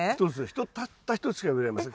たった１つしか植えられません。